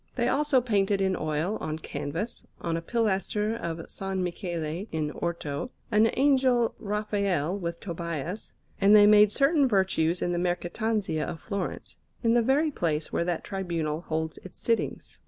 They also painted in oil, on canvas, on a pilaster of S. Michele in Orto, an Angel Raphael with Tobias; and they made certain Virtues in the Mercatanzia of Florence, in the very place where that Tribunal holds its sittings.